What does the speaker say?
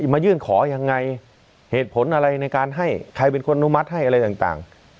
มายื่นขอยังไงเหตุผลอะไรในการให้ใครเป็นคนอนุมัติให้อะไรต่าง